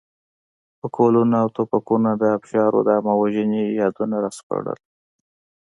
پکولونه او توپکونو د ابشارو د عامه وژنې یادونه راسپړله.